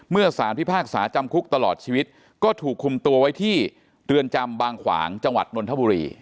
สารพิพากษาจำคุกตลอดชีวิตก็ถูกคุมตัวไว้ที่เรือนจำบางขวางจังหวัดนนทบุรี